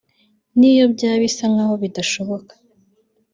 niyo byaba bisa nk’aho bidashoboka